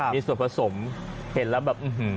มีส่วนผสมเห็นแล้วแบบ